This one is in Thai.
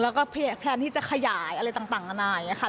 แล้วก็แพลนที่จะขยายอะไรต่างอันนั้น